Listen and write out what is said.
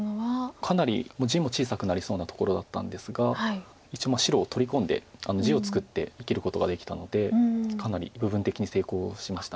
かなり地も小さくなりそうなところだったんですが一応白を取り込んで地を作って生きることができたのでかなり部分的に成功しました。